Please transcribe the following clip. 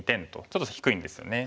ちょっと低いんですよね。